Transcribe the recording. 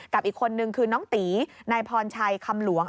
กับอีกคนนึงคือน้องตีนายพรชัยคำหลวง